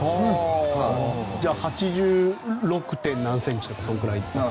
じゃあ８６．何センチとかそのくらい。